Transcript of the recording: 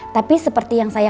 tapi seperti yang saya